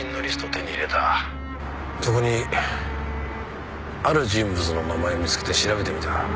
そこにある人物の名前を見つけて調べてみた。